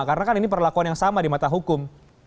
karena kan ini perlakuan yang sama di mata hukum